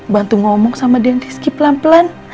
bantu ngomong sama den rizky pelan pelan